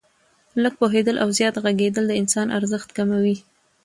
لږ پوهېدل او زیات ږغېدل د انسان ارزښت کموي.